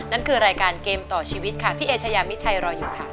นั่นคือรายการเกมต่อชีวิตค่ะพี่เอเชยามิชัยรออยู่ค่ะ